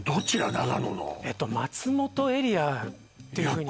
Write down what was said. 長野の松本エリアっていうふうに